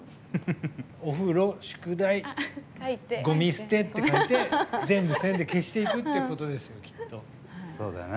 お風呂、宿題ごみ捨てって書いて全部、線で消していくってことですよきっと。